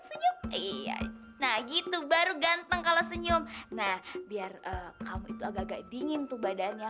senyum iya nah gitu baru ganteng kalau senyum nah biar kamu itu agak agak dingin tuh badannya